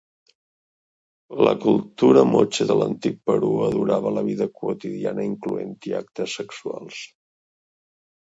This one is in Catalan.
La cultura moche de l'antic Perú adorava la vida quotidiana incloent-hi actes sexuals.